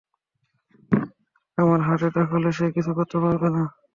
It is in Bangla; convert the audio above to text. আমার হার্ট অ্যাটাক হলে, সে কিছুই করতে পারবে না।